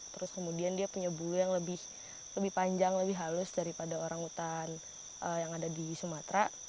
terus kemudian dia punya bulu yang lebih panjang lebih halus daripada orangutan yang ada di sumatera